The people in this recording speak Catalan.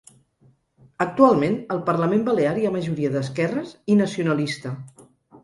Actualment, al parlament balear hi ha majoria d’esquerres i nacionalista.